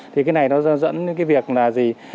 thì cái này nó dẫn đến cái việc là gì